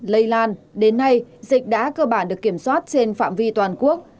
lây lan đến nay dịch đã cơ bản được kiểm soát trên phạm vi toàn quốc